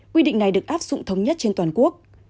quy định này được áp dụng thống nhất trên toàn quốc